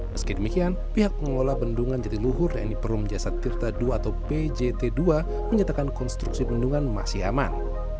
meski demikian pihak pengelola bendungan jatiluhur dan diperum jasad tirta ii atau pjt dua menyatakan konstruksi bendungan masih aman